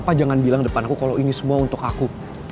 papa jangan bilang depan aku kalau ini semua untuk aku